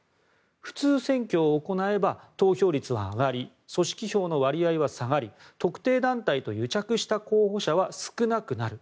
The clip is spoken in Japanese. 普通選挙を行えば投票率は上がり組織票の割合は下がり特定団体と癒着した候補者は少なくなる。